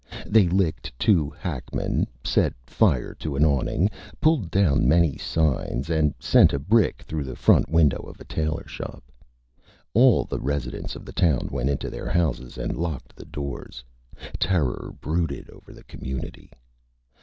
They licked two Hackmen, set fire to an Awning, pulled down many Signs, and sent a Brick through the Front Window of a Tailor Shop. All the Residents of the Town went into their Houses and locked the Doors; Terror brooded over the Community.